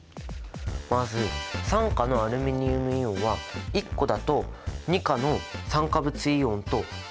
まず３価のアルミニウムイオンは１個だと２価の酸化物イオンと釣り合わない。